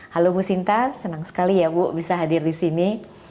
halo bu sinta senang sekali ya bu bisa hadir di sini